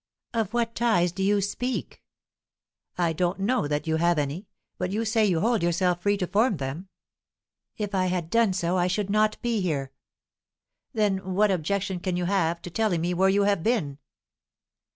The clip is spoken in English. "Of what ties do you speak?" "I don't know that you have any; but you say you hold yourself free to form them." "If I had done so, I should not be here." "Then what objection can you have to telling me where you have been?"